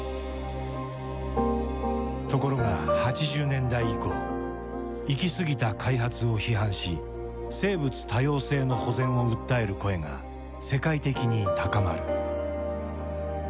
ところが８０年代以降行き過ぎた開発を批判し生物多様性の保全を訴える声が世界的に高まる。